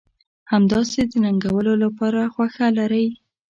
همداسې د ننګولو لپاره خوښه لرئ.